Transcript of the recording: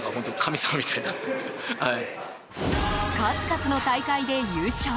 数々の大会で優勝。